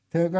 thưa các bạn